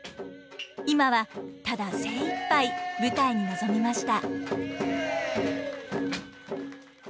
今はただ精いっぱい舞台に臨みました。